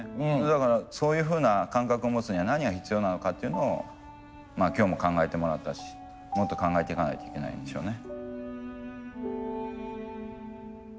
だからそういうふうな感覚を持つには何が必要なのかっていうのを今日も考えてもらったしもっと考えていかないといけないんでしょうね。